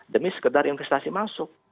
demi sekedar investasi masuk